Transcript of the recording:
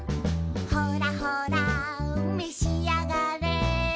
「ほらほらめしあがれ」